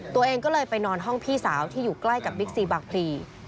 ตัวเองก็เลยไปนอนห้องพี่สาวที่อยู่ใกล้กับบิ๊กซีบางพลี